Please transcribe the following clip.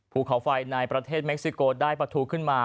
ภูเขาไฟในประเทศเม็กซิโกได้ประทูขึ้นมา